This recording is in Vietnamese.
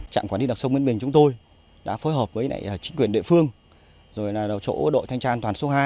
trạm quản lý đặc sông nguyễn bình chúng tôi đã phối hợp với chính quyền địa phương rồi là chỗ đội thanh trang toàn số hai